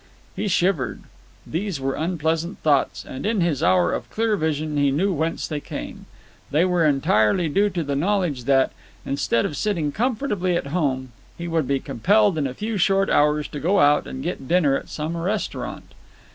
He shivered. These were unpleasant thoughts, and in his hour of clear vision he knew whence they came. They were entirely due to the knowledge that, instead of sitting comfortably at home, he would be compelled in a few short hours to go out and get dinner at some restaurant.